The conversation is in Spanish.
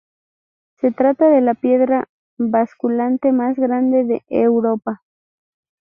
Se trata de la piedra basculante más grande de Europa.